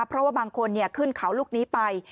เพราะว่าบางคนขึ้นเขาลูกนี้ไป